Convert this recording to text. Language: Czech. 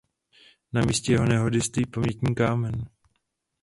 Na místě jeho nehody stojí pamětní kámen.